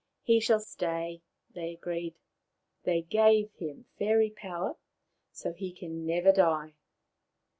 " He shall stay," they agreed. They gave him fairy power, so that he can never die.